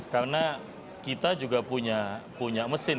karena kita juga punya mesin